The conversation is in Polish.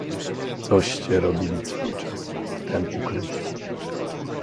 "Coście robili cały czas w tem ukryciu?"